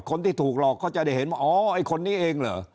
คนที่ถูกหลอกเขาจะได้เห็นว่าอ๋อไอ้คนนี้เองเหรอ